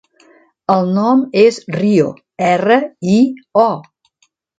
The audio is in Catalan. El nom és Rio: erra, i, o.